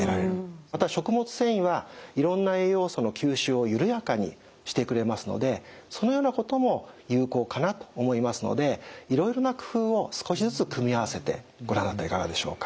また食物繊維はいろんな栄養素の吸収をゆるやかにしてくれますのでそのようなことも有効かなと思いますのでいろいろな工夫を少しずつ組み合わせてごらんになってはいかがでしょうか？